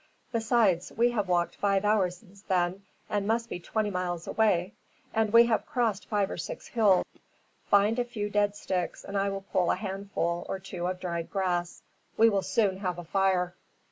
Besides, we have walked five hours since then, and must be twenty miles away, and we have crossed five or six hills. Find a few dead sticks and I will pull a handful or two of dried grass. We will soon have a fire."